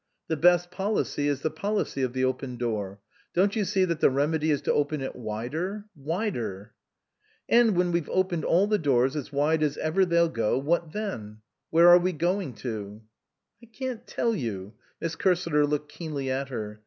The best policy is the policy of the open door. Don't you see that the remedy is to open it wider wider !"" And when we've opened all the doors as wide as ever they'll go, what then ? Where are we going to ?"" I can't tell you." Miss Cursiter looked keenly at her.